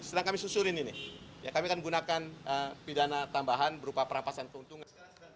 sedang kami susurin ini ya kami akan gunakan pidana tambahan berupa perampasan keuntungan